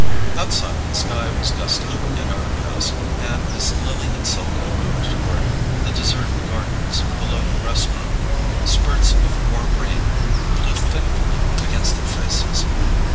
Outside, the sky was gusty and overcast, and as Lily and Selden moved toward the deserted gardens below the restaurant, spurts of warm rain blew fitfully against their faces.